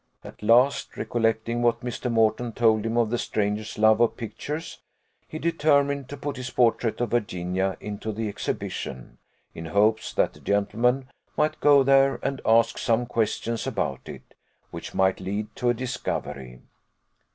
At last, recollecting what Mr. Moreton told him of the stranger's love of pictures, he determined to put his portrait of Virginia into the exhibition, in hopes that the gentleman might go there and ask some questions about it, which might lead to a discovery.